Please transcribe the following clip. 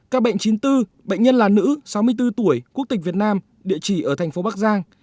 các bệnh chín mươi bốn bệnh nhân là nữ sáu mươi bốn tuổi quốc tịch việt nam địa chỉ ở thành phố bắc giang